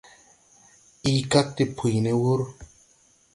Ii kag de puy ne wūr.